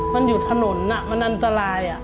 มันอยู่ถนนมันอันตราย